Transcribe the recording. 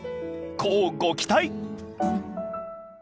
［乞うご期待］